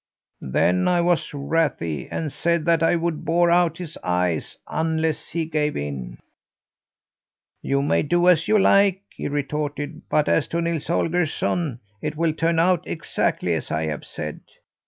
"Then I was wrathy and said that I would bore out his eyes unless he gave in. "'You may do as you like,' he retorted, 'but as to Nils Holgersson, it will turn out exactly as I have said.